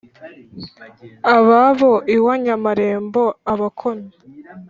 ababo iwa nyamarembo abakono,